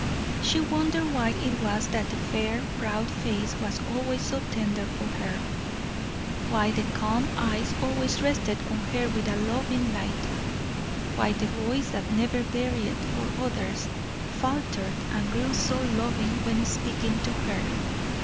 She wondered why it was that the fair, proud face was always so tender for her; why the calm eyes always rested on her with a loving light; why the voice that never varied for others, faltered and grew so loving when speaking to her.